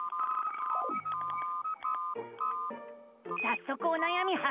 さっそくおなやみはっ生！